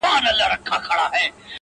یا به اوښ یا زرافه ورته ښکاره سم-